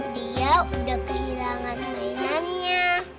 dia udah kehilangan mainannya